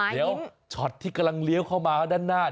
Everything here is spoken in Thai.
เดี๋ยวช็อตที่กำลังเลี้ยวเข้ามาด้านหน้า